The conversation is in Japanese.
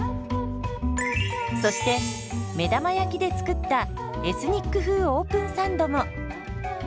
そして目玉焼きで作ったエスニック風オープンサンドも。